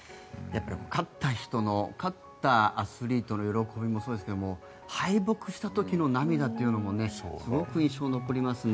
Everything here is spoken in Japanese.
勝った人の勝ったアスリートの喜びもそうですが敗北した時の涙というのもすごく印象に残りますね。